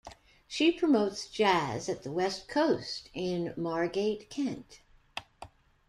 She promotes Jazz at the Westcoast in Margate, Kent.